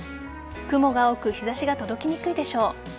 雲が多く日差しが届きにくいでしょう。